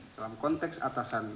dalam konteks atasan